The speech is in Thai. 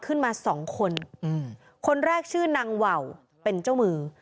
ขึ้นมาสองคนอืมคนแรกชื่อนางว่าวเป็นเจ้ามือ